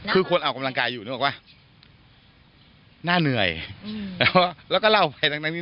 คือคนเอากำลังกายอยู่นึกออกไหมหน้าเหนื่อยอืมแล้วแล้วก็เล่าไปทั้งทั้งนี้